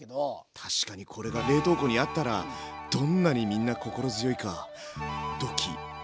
確かにこれが冷凍庫にあったらどんなにみんな心強いか。